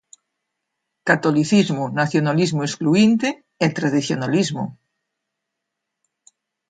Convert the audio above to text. Catolicismo, nacionalismo excluínte, e tradicionalismo.